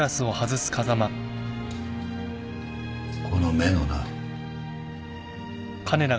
この目のな。